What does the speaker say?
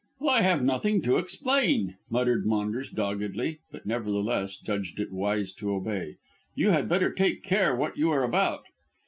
"I have nothing to explain," muttered Maunders doggedly, but nevertheless judged it wise to obey. "You had better take care what you are about."